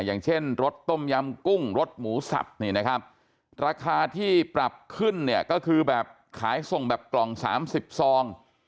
อย่างเช่นรสต้มยำกุ้งรสหมูสับนี่นะครับราคาที่ปรับขึ้นเนี่ยก็คือแบบขายส่งแบบกล่อง๓๐ซอง